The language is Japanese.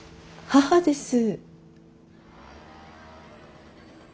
母です。